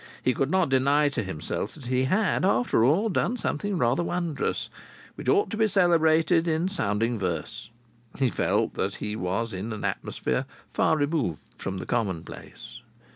He could not deny to himself that he had after all done something rather wondrous, which ought to be celebrated in sounding verse. He felt that he was in an atmosphere far removed from the commonplace.